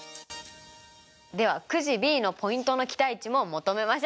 ではくじＢのポイントの期待値も求めましょう。